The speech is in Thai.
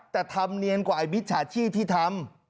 แต่ทำเนียนกว่าไอ้มิจฉาชีพที่ทำ